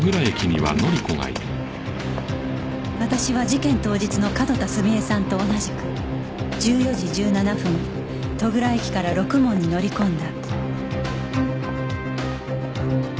私は事件当日の角田澄江さんと同じく１４時１７分戸倉駅からろくもんに乗り込んだ